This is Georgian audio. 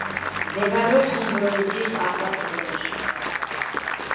მდებარეობს ინდონეზიის აკვატორიაში.